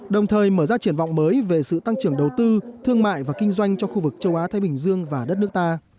đồng thời mở ra triển vọng mới về sự tăng trưởng đầu tư thương mại và kinh doanh cho khu vực châu á thái bình dương và đất nước ta